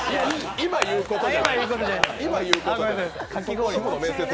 今言うことじゃない。